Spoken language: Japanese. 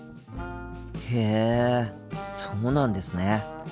へえそうなんですね。